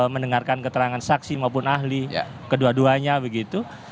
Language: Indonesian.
mendengarkan keterangan saksi maupun ahli kedua duanya begitu